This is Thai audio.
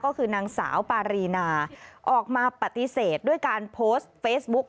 ก็คือนางสาวปารีนาออกมาปฏิเสธด้วยการโพสต์เฟซบุ๊ก